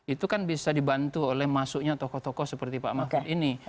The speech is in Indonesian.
itu kan bisa dibantu oleh masuknya tokoh tokoh seperti pak mahfud ini